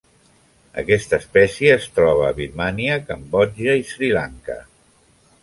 Aquesta espècie es troba a Birmània, Cambodja i Sri Lanka.